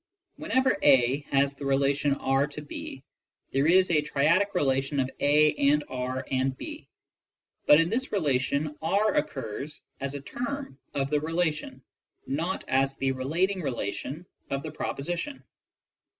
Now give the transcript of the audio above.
Whenever a has the relation B to b, there is a triadic relation of a and B and h, but in this relation B occurs as a term of the relation, not as the relating relation of the proposition.